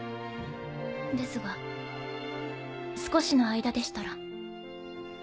ですが少しの間でしたら。